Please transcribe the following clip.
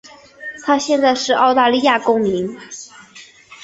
她现在是澳大利亚公民。